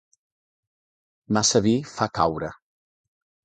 Massa vi fa caure.